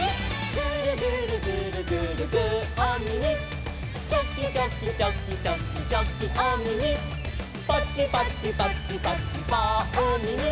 「グルグルグルグルグーおみみ」「チョキチョキチョキチョキチョキおみみ」「パチパチパチパチパーおみみ」